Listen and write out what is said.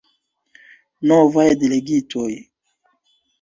Novaj delegitoj.